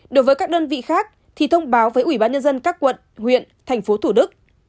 đối với các đơn vị khác thì thông báo với ủy ban nhân dân các quận huyện thành phố thủ đức